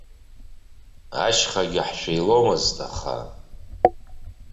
Ашьхагьы ҳшәиломызт, аха.